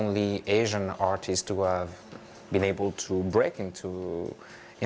dia biasanya bekerja lebih banyak dari